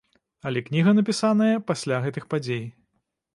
Але кніга напісаная пасля гэтых падзей.